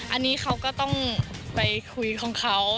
อันนี้เขาก็ต้องไปคุยของเขา